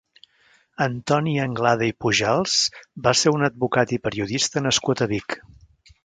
Antoni Anglada i Pujals va ser un advocat i periodista nascut a Vic.